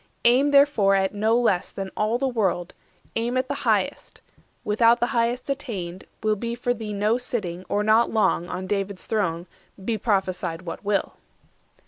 Aim, therefore, at no less than all the world; Aim at the highest; without the highest attained, Will be for thee no sitting, or not long, On David's throne, be prophesied what will."